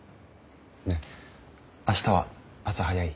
ねえ明日は朝早い？